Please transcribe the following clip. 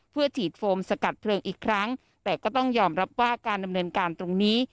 เพื่อฉีดโฟมสกัดเพลิงอีกครั้งแต่ก็ต้องยอมรับว่าการดำเนินการตรงนี้